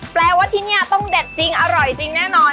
แปลว่าที่นี่ต้องเด็ดจริงอร่อยจริงแน่นอน